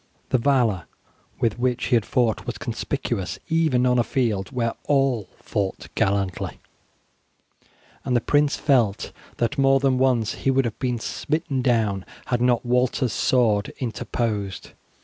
The valour with which he had fought was conspicuous even on a field where all fought gallantly, and the prince felt that more than once he would have been smitten down had not Walter's sword interposed.